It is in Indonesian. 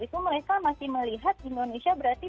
itu mereka masih melihat indonesia berarti